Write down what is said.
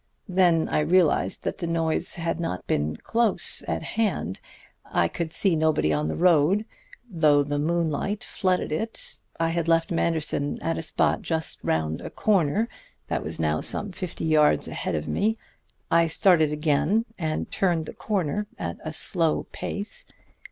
Then I realized that the noise had not been close at hand. I could see nobody on the road, though the moonlight flooded it. I had left Manderson at a spot just round a corner that was now some fifty yards ahead of me. I started again, and turned the corner at a slow pace.